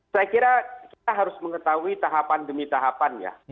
saya kira kita harus mengetahui tahapan demi tahapan ya